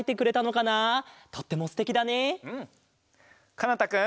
かなたくん。